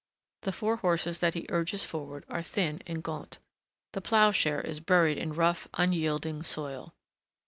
The four horses that he urges forward are thin and gaunt; the ploughshare is buried in rough, unyielding soil.